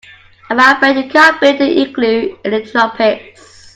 I'm afraid you can't build an igloo in the tropics.